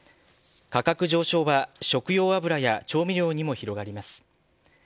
価格上昇は食用油や調味料にも広がります。